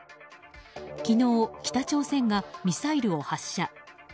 昨日、北朝鮮がミサイルを発射。